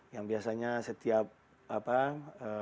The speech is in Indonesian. yang biasanya setiap gala diner